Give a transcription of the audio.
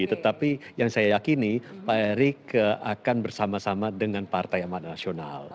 tetapi yang saya yakini pak erick akan bersama sama dengan partai amanat nasional